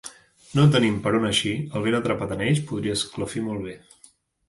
No tenint per on eixir, el vent atrapat en ells, podria esclafir molt bé.